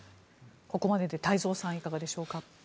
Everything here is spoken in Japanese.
ここまでで太蔵さんいかがでしょうか。